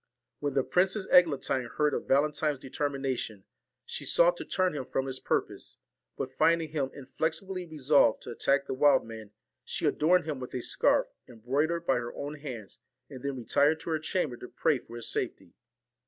When the Princess Eglantine heard of Valentine's determination, she sought to turn him from his purpose; but finding him inflexibly resolved to attack the wild man, she adorned him with a scarf, embroidered by her own hands, and then retired to her chamber to pray for his safety.